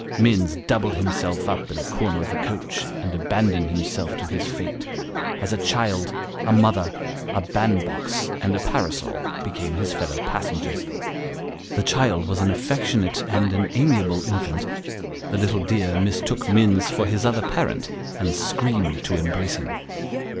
Minns doubled himself up in a corner of the coach, and abandoned himself to his fate, as a child, a mother, a bandbox and a parasol, became his fellow passengers. The child was an affectionate and an amiable infant ; the little dear mistook Minns for his other parent, and screamed to embrace him.